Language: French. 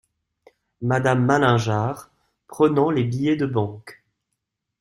Madame Malingear , Prenant les billets de banque.